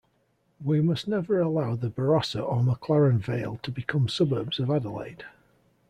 We must never allow the Barossa or McLaren Vale to become suburbs of Adelaide.